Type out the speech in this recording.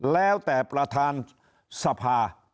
แล้วแต่ประธานสภา